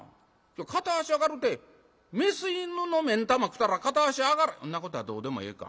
片足上がるてメス犬の目ん玉食うたら片足上がらんそんなことはどうでもええか。